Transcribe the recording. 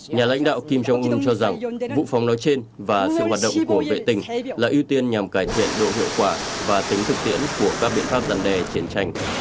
nhà lãnh đạo kim jong un cho rằng vụ phóng nói trên và sự hoạt động của vệ tình là ưu tiên nhằm cải thiện độ hiệu quả và tính thực tiễn của các biện pháp đằn đề chiến tranh